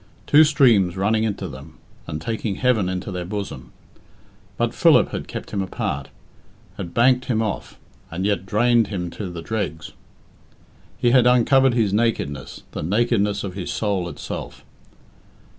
Two streams running into them and taking heaven into their bosom. But Philip had kept him apart, had banked him off, and yet drained him to the dregs. He had uncovered his nakedness the nakedness of his soul itself.